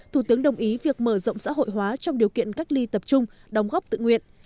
thủ tướng đồng ý việc mở rộng xã hội hóa trong điều kiện cách ly tập trung đóng góp tự nguyện